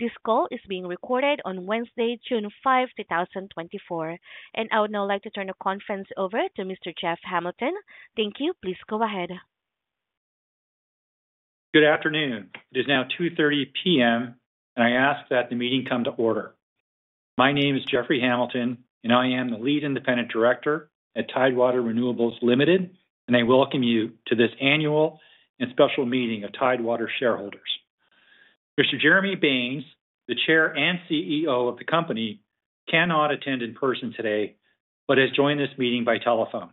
This call is being recorded on Wednesday, June 5, 2024. I would now like to turn the conference over to Mr. Jeffrey Hamilton. Thank you. Please go ahead. Good afternoon. It is now 2:30 P.M., and I ask that the meeting come to order. My name is Jeffrey Hamilton, and I am the Lead Independent Director at Tidewater Renewables Ltd., and I welcome you to this annual and special meeting of Tidewater shareholders. Mr. Jeremy Baines, the Chair and CEO of the company, cannot attend in person today but has joined this meeting by telephone.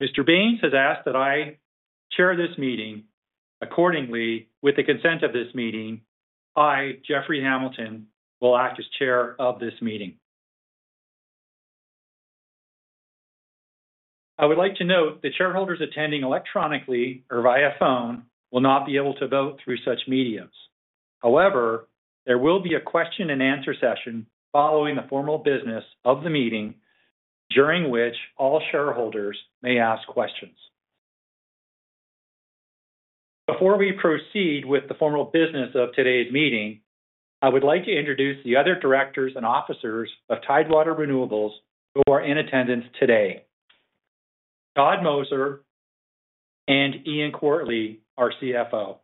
Mr. Baines has asked that I chair this meeting accordingly. With the consent of this meeting, I, Jeffrey Hamilton, will act as Chair of this meeting. I would like to note that shareholders attending electronically or via phone will not be able to vote through such mediums. However, there will be a question and answer session following the formal business of the meeting, during which all shareholders may ask questions. Before we proceed with the formal business of today's meeting, I would like to introduce the other directors and officers of Tidewater Renewables who are in attendance today: Todd Moser and Ian Quartly, our CFO.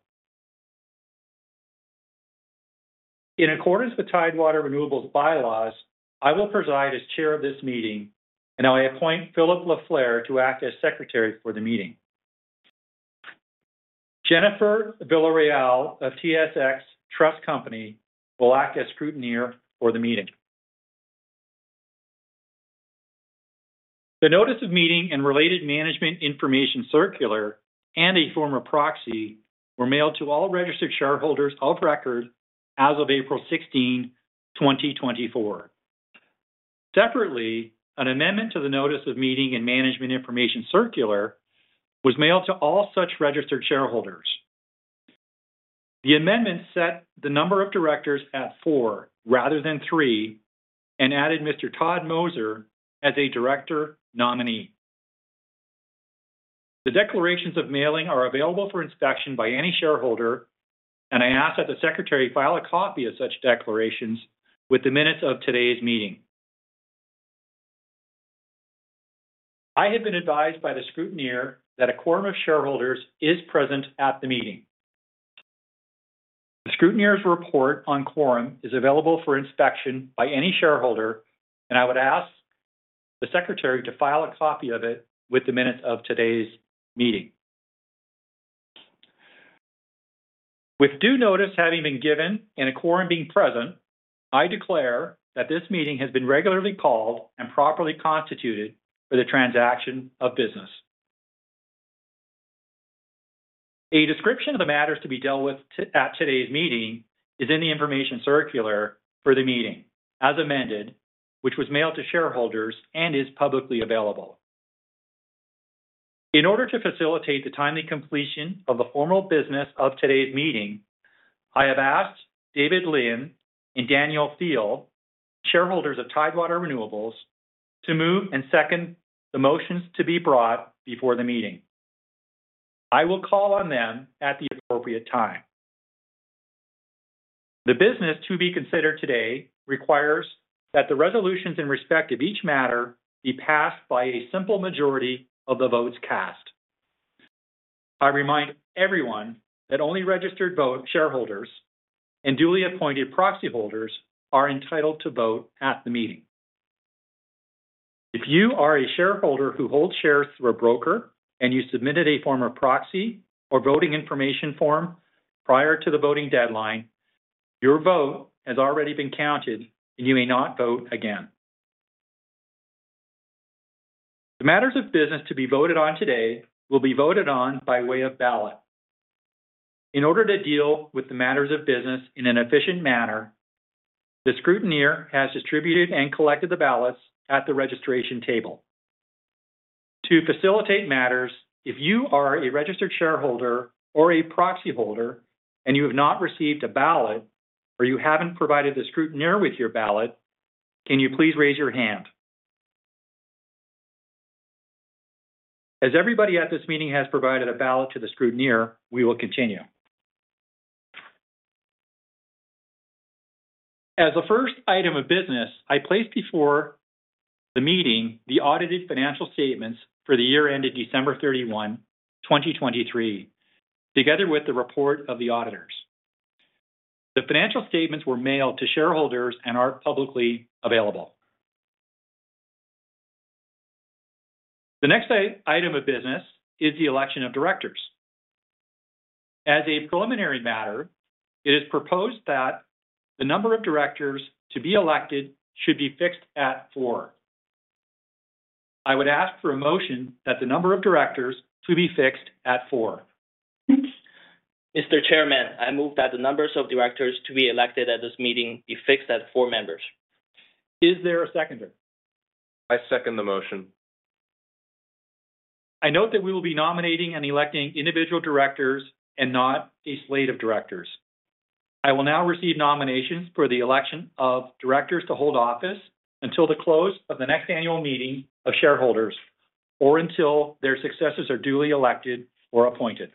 In accordance with Tidewater Renewables' bylaws, I will preside as Chair of this meeting, and I appoint Philip LaFleur to act as Secretary for the meeting. Jennifer Villarreal of TSX Trust Company will act as scrutineer for the meeting. The notice of meeting and related Management Information Circular and a form of proxy were mailed to all registered shareholders of record as of April 16, 2024. Separately, an amendment to the notice of meeting and Management Information Circular was mailed to all such registered shareholders. The amendment set the number of directors at four rather than three and added Mr. Todd Moser as a director nominee. The declarations of mailing are available for inspection by any shareholder, and I ask that the secretary file a copy of such declarations with the minutes of today's meeting. I have been advised by the scrutineer that a quorum of shareholders is present at the meeting. The scrutineer's report on quorum is available for inspection by any shareholder, and I would ask the secretary to file a copy of it with the minutes of today's meeting. With due notice having been given and a quorum being present, I declare that this meeting has been regularly called and properly constituted for the transaction of business. A description of the matters to be dealt with at today's meeting is in the information circular for the meeting, as amended, which was mailed to shareholders and is publicly available. In order to facilitate the timely completion of the formal business of today's meeting, I have asked David Lynn and Daniel Thiel, shareholders of Tidewater Renewables, to move and second the motions to be brought before the meeting. I will call on them at the appropriate time. The business to be considered today requires that the resolutions in respect of each matter be passed by a simple majority of the votes cast. I remind everyone that only registered voting shareholders and duly appointed proxy holders are entitled to vote at the meeting. If you are a shareholder who holds shares through a broker, and you submitted a form of proxy or voting information form prior to the voting deadline, your vote has already been counted, and you may not vote again. The matters of business to be voted on today will be voted on by way of ballot. In order to deal with the matters of business in an efficient manner, the scrutineer has distributed and collected the ballots at the registration table. To facilitate matters, if you are a registered shareholder or a proxy holder, and you have not received a ballot, or you haven't provided the scrutineer with your ballot, can you please raise your hand? As everybody at this meeting has provided a ballot to the scrutineer, we will continue. As a first item of business, I place before the meeting the audited financial statements for the year ended December 31, 2023, together with the report of the auditors. The financial statements were mailed to shareholders and are publicly available. The next item of business is the election of directors. As a preliminary matter, it is proposed that the number of directors to be elected should be fixed at four. I would ask for a motion that the number of directors to be fixed at four. Mr. Chairman, I move that the numbers of directors to be elected at this meeting be fixed at four members. Is there a seconder? I second the motion. I note that we will be nominating and electing individual directors and not a slate of directors. I will now receive nominations for the election of directors to hold office until the close of the next annual meeting of shareholders... or until their successors are duly elected or appointed.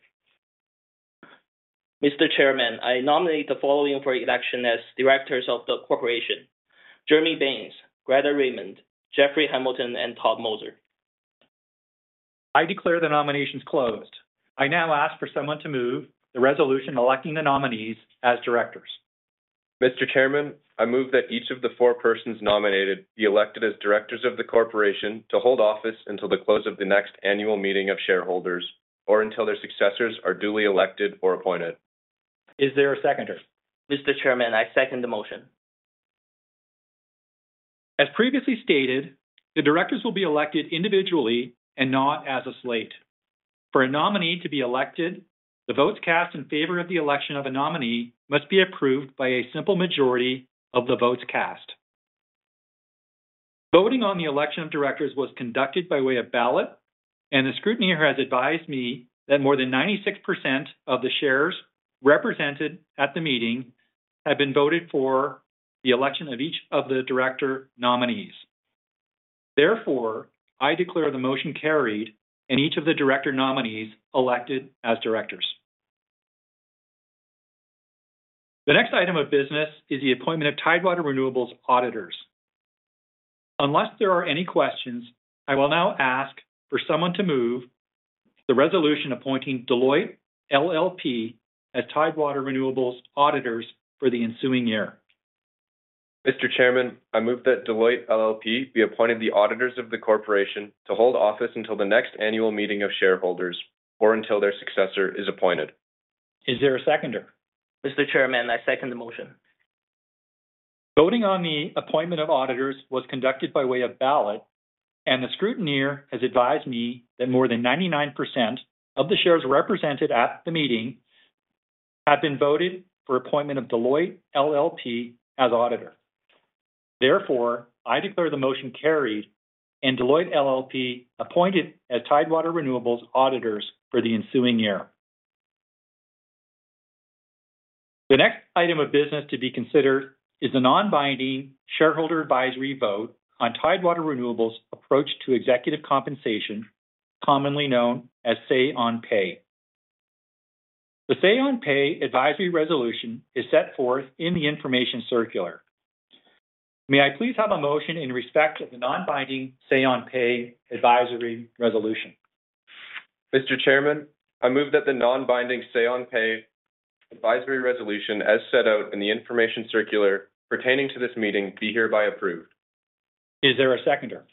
Mr. Chairman, I nominate the following for election as directors of the corporation: Jeremy Baines, Greta Raymond, Jeffrey Hamilton, and Todd Moser. I declare the nominations closed. I now ask for someone to move the resolution electing the nominees as directors. Mr. Chairman, I move that each of the four persons nominated be elected as directors of the corporation to hold office until the close of the next annual meeting of shareholders or until their successors are duly elected or appointed. Is there a seconder? Mr. Chairman, I second the motion. As previously stated, the directors will be elected individually and not as a slate. For a nominee to be elected, the votes cast in favor of the election of a nominee must be approved by a simple majority of the votes cast. Voting on the election of directors was conducted by way of ballot, and the scrutineer has advised me that more than 96% of the shares represented at the meeting have been voted for the election of each of the director nominees. Therefore, I declare the motion carried and each of the director nominees elected as directors. The next item of business is the appointment of Tidewater Renewables auditors. Unless there are any questions, I will now ask for someone to move the resolution appointing Deloitte LLP as Tidewater Renewables auditors for the ensuing year. Mr. Chairman, I move that Deloitte LLP be appointed the auditors of the corporation to hold office until the next annual meeting of shareholders, or until their successor is appointed. Is there a seconder? Mr. Chairman, I second the motion. Voting on the appointment of auditors was conducted by way of ballot, and the scrutineer has advised me that more than 99% of the shares represented at the meeting have been voted for appointment of Deloitte LLP as auditor. Therefore, I declare the motion carried, and Deloitte LLP appointed as Tidewater Renewables auditors for the ensuing year. The next item of business to be considered is the non-binding shareholder advisory vote on Tidewater Renewables approach to executive compensation, commonly known as Say-on-pay. The Say-on-pay advisory resolution is set forth in the information circular. May I please have a motion in respect of the non-binding Say-on-pay advisory resolution? Mr. Chairman, I move that the non-binding Say-on-pay advisory resolution, as set out in the information circular pertaining to this meeting, be hereby approved. Is there a seconder?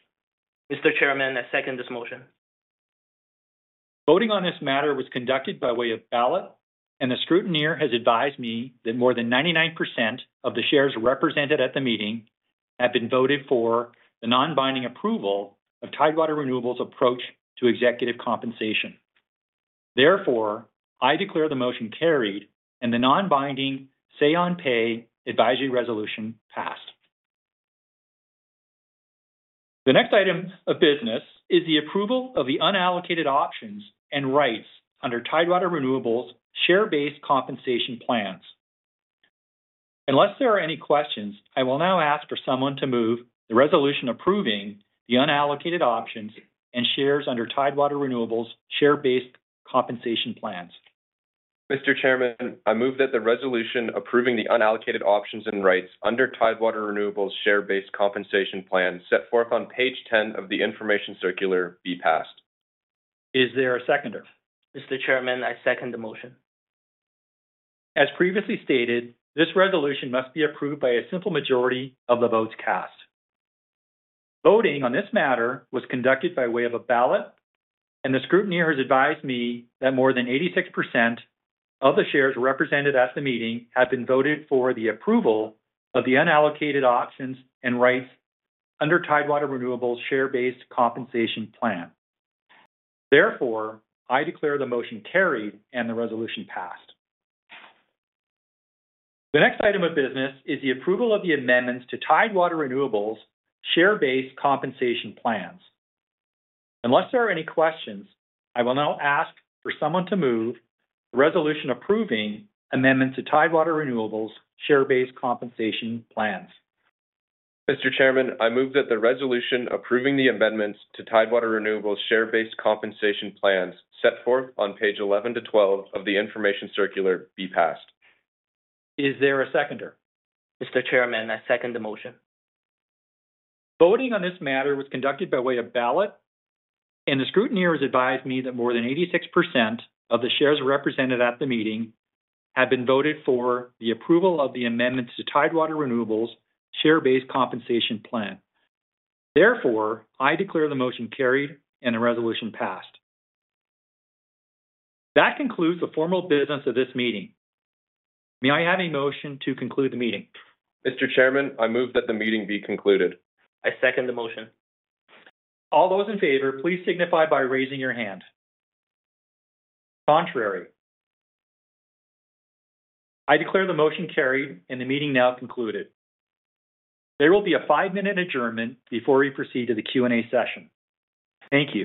Mr. Chairman, I second this motion. Voting on this matter was conducted by way of ballot, and the scrutineer has advised me that more than 99% of the shares represented at the meeting have been voted for the non-binding approval of Tidewater Renewables approach to executive compensation. Therefore, I declare the motion carried and the non-binding Say-on-pay advisory resolution passed. The next item of business is the approval of the unallocated options and rights under Tidewater Renewables share-based compensation plans. Unless there are any questions, I will now ask for someone to move the resolution approving the unallocated options and shares under Tidewater Renewables share-based compensation plans. Mr. Chairman, I move that the resolution approving the unallocated options and rights under Tidewater Renewables share-based compensation plan set forth on page 10 of the information circular be passed. Is there a seconder? Mr. Chairman, I second the motion. As previously stated, this resolution must be approved by a simple majority of the votes cast. Voting on this matter was conducted by way of a ballot, and the scrutineer has advised me that more than 86% of the shares represented at the meeting have been voted for the approval of the unallocated options and rights under Tidewater Renewables' share-based compensation plan. Therefore, I declare the motion carried and the resolution passed. The next item of business is the approval of the amendments to Tidewater Renewables' share-based compensation plans. Unless there are any questions, I will now ask for someone to move the resolution approving amendments to Tidewater Renewables' share-based compensation plans. Mr. Chairman, I move that the resolution approving the amendments to Tidewater Renewables' share-based compensation plans set forth on page 11-12 of the information circular be passed. Is there a seconder? Mr. Chairman, I second the motion. Voting on this matter was conducted by way of ballot, and the scrutineer has advised me that more than 86% of the shares represented at the meeting have been voted for the approval of the amendments to Tidewater Renewables' share-based compensation plan. Therefore, I declare the motion carried and the resolution passed. That concludes the formal business of this meeting. May I have a motion to conclude the meeting? Mr. Chairman, I move that the meeting be concluded. I second the motion. All those in favor, please signify by raising your hand. Contrary? I declare the motion carried and the meeting now concluded. There will be a five-minute adjournment before we proceed to the Q&A session. Thank you.